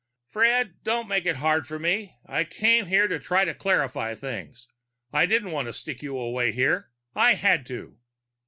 "Fred, don't make it hard for me. I came here to try to clarify things. I didn't want to stick you away here. I had to."